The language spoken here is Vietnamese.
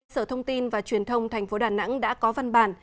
sở thông tin và truyền thông thành phố đà nẵng đã có văn bản